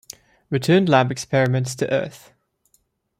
Returned lab experiments to earth.